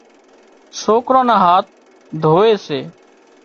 سوڪران نا هاٿ ڌووي سي